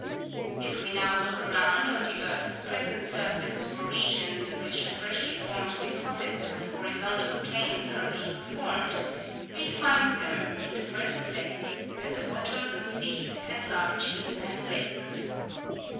If we now look around on the earth's present surface for regions in which the freshly formed deposits with horizontal planes are heing formed, we find them, in the first place, at the bottoms of seas and large inland lakes.